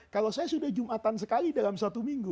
kalau saya sudah jumatan sekali dalam satu minggu